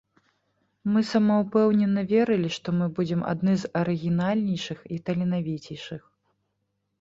Мы самаўпэўнена верылі, што мы будзем адны з арыгінальнейшых і таленавіцейшых.